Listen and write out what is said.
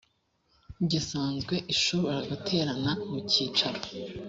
gisanzwe ishobora guterana mu cyicaro